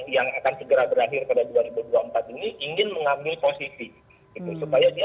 yang akan segera berakhir pada dua ribu dua puluh empat ini ingin mengambil posisi supaya dia